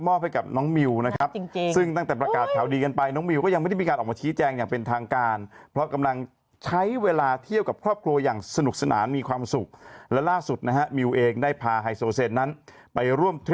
มอบให้กับน้องมิวนะครับจริงซึ่งตั้งแต่ประกาศข่าวดีกันไป